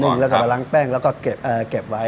แล้วก็มาล้างแป้งแล้วก็เก็บไว้